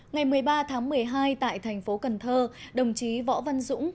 ngày một mươi ba tháng một mươi hai tại thành phố cần thơ đồng chí võ văn dũng